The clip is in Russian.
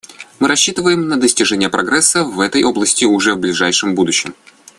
Мы рассчитываем на достижение прогресса в этой области уже в ближайшем будущем.